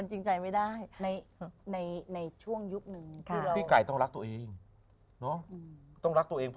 ชิงใจไม่ได้ในในในช่วงยุคนึงนึงครับต้องรักตัวเองหนูต้องรักตัวเอง